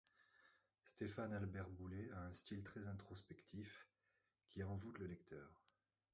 Stéphane-Albert Boulais a un style très introspectif, qui envoûte le lecteur.